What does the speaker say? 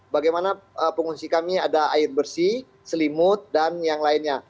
bagaimana pengungsi kami ada air bersih selimut dan yang lainnya